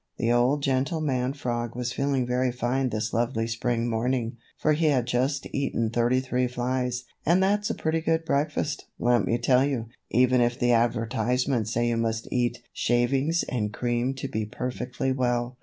The old gentleman frog was feeling very fine this lovely spring morning, for he had just eaten thirty three flies, and that's a pretty good breakfast, let me tell you, even if the advertisements say you must eat shavings and cream to be perfectly well.